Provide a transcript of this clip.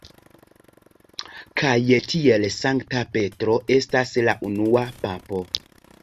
Kaj tiel Sankta Petro estas la unua papo.